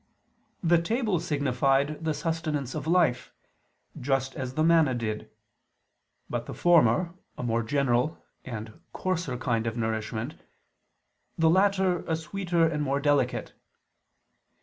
The table signified the sustenance of life, just as the manna did: but the former, a more general and a coarser kind of nourishment; the latter, a sweeter and more delicate.